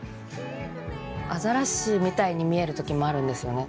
アザラシみたいに見える時もあるんですよね